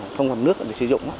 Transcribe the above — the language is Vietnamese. không còn nước để sử dụng